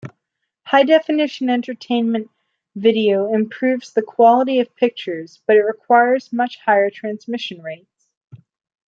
High-definition entertainment video improves the quality of pictures, but requires much higher transmission rates.